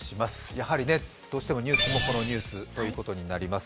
やはりどうしてもこのニュースということになります。